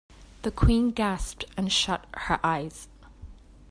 The Queen gasped and shut her eyes.